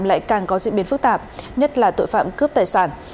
lại càng có diễn biến phức tạp nhất là tội phạm cướp tài sản